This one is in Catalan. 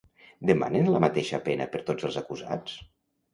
Demanen la mateixa pena per tots els acusats?